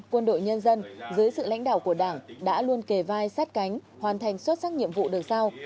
quân đội nhân dân dưới sự lãnh đạo của đảng đã luôn kề vai sát cánh hoàn thành xuất sắc nhiệm vụ được sao